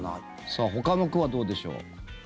さあ、ほかの区はどうでしょう。